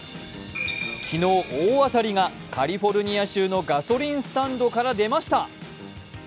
昨日、大当たりがカリフォルニア州のガソリンスタンドから出ました。